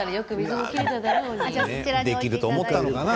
できると思ったのかな。